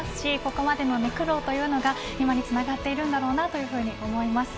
ここまでの苦労というのが今につながっているんだろうなというふうに思います。